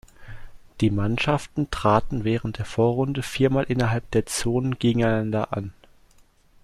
Die Mannschaften traten während der Vorrunde vier Mal innerhalb der Zonen gegeneinander an.